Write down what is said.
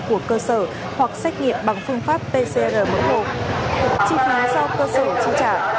của cơ sở hoặc xét nghiệm bằng phương pháp pcr mỗi hộp chi phá do cơ sở trị trả